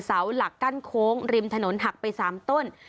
เสาหลักกั้นโค้งริมถนนหักไป๓ต้น